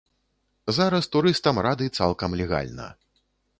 Зараз турыстам рады цалкам легальна.